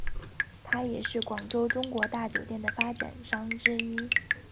他也是广州中国大酒店的发展商之一。